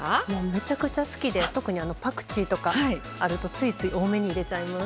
むちゃくちゃ好きで特にパクチーとかあるとついつい多めに入れちゃいます。